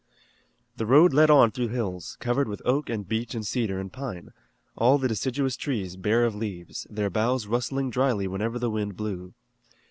The road led on through high hills, covered with oak and beech and cedar and pine, all the deciduous trees bare of leaves, their boughs rustling dryly whenever the wind blew.